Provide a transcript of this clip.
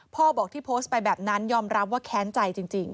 พ่อบอกที่โพสต์ไปแบบนั้นยอมรับว่าแค้นใจจริง